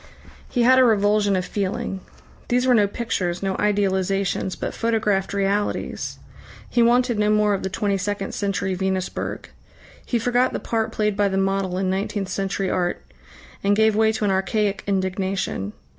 He had a revulsion of feeling. These were no pictures, no idealisations, but photographed realities. He wanted no more of the twenty second century Venusberg. He forgot the part played by the model in nineteenth century art, and gave way to an archaic indignation.